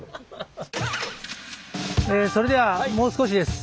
それではもう少しです。